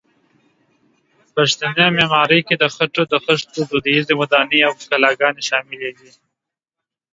پښتني معمارۍ کې د خټو د خښتو دودیزې ودانۍ او کلاګانې شاملې دي.